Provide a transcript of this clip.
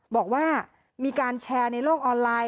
บอกว่ามีการแชร์ในโลกออนไลน์